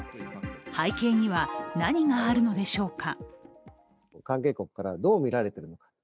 背景には何があるのでしょうか。